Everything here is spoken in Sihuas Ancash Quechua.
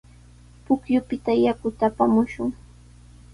Pukyupita yakuta apamushun.